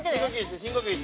深呼吸して。